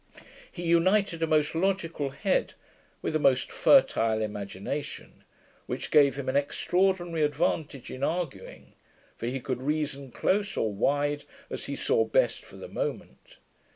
He united a most logical head with a most fertile imagination, which gave him an extraordinary advantage in arguing; for he could reason close or wide, as he saw best for the moment.